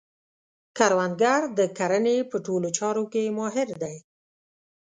کروندګر د کرنې په ټولو چارو کې ماهر دی